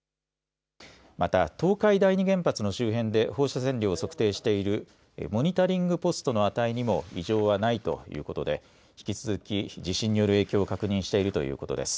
また、東海第二原発の周辺で放射線量を測定しているモニタリングポストの値にも異常はないということで、引き続き地震による影響を確認しているということです。